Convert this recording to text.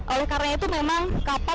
oleh karena itu memang kapal